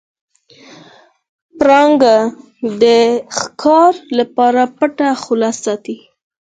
پړانګ د ښکار لپاره پټه خوله ساتي.